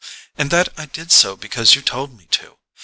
"And that I did so because you told me to.